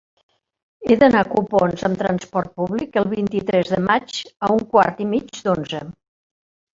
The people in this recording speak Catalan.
He d'anar a Copons amb trasport públic el vint-i-tres de maig a un quart i mig d'onze.